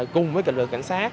cùng với lực lượng cảnh sát